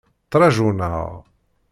Ttrajun-aɣ.